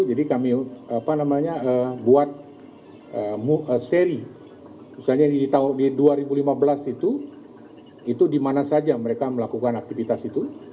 jadi kami buat seri misalnya di tahun dua ribu lima belas itu itu di mana saja mereka melakukan aktivitas itu